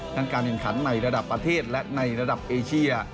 การแข่งขันในระดับประเทศและในระดับเอเชีย